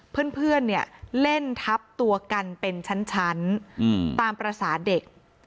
เพื่อนเนี่ยเล่นทับตัวกันเป็นชั้นตามภาษาเด็ก